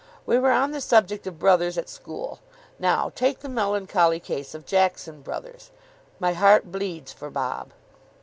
We were on the subject of brothers at school. Now, take the melancholy case of Jackson Brothers. My heart bleeds for Bob."